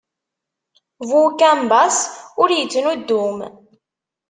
Bu ukumbaṣ ur ittnuddum.